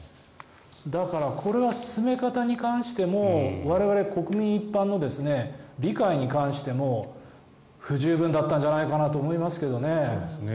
だから、これは進め方に関しても我々国民一般の理解に関しても不十分だったんじゃないかなと思いますけどね。